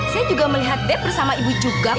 saya juga melihat dev bersama ibu juga bu